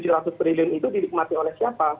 rp tujuh ratus triliun itu didikmati oleh siapa